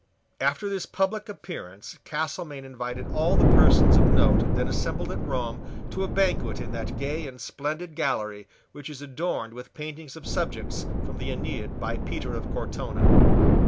After this public appearance Castelmaine invited all the persons of note then assembled at Rome to a banquet in that gay and splendid gallery which is adorned with paintings of subjects from the Aeneid by Peter of Cortona.